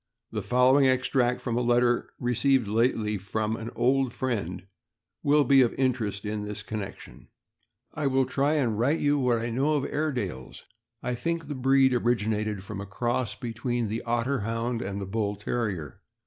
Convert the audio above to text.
The following extract from a letter lately received from an old friend will be of interest in this connection: I will try and write you what I know of Airedales. I think the breed originated from a cross between the Otter Hound and the Bull Terrier.